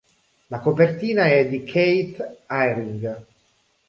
La copertina è di Keith Haring.